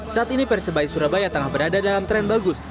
saat ini persebaya surabaya tengah berada dalam tren bagus